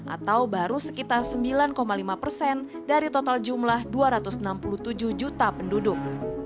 atau baru sekitar sembilan lima persen dari total jumlah dua ratus enam puluh tujuh juta penduduk